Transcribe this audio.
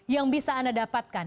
yang bisa anda dapatkan